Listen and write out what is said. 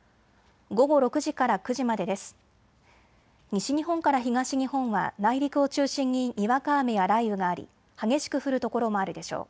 西日本から東日本は内陸を中心ににわか雨や雷雨があり激しく降る所もあるでしょう。